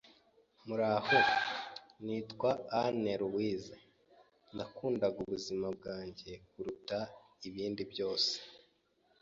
Muraho! Nitwa Anne Louise nakundaga ubuzima bwanjye kuruta ibindi byose,